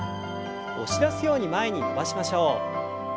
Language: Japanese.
押し出すように前に伸ばしましょう。